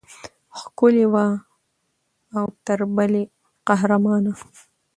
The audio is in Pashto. ښکلې وه او تر بلې قهرمانه.